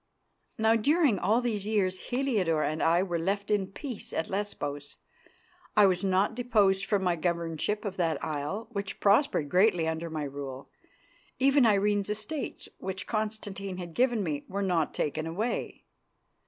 Now during all these years Heliodore and I were left in peace at Lesbos. I was not deposed from my governorship of that isle, which prospered greatly under my rule. Even Irene's estates, which Constantine had given me, were not taken away.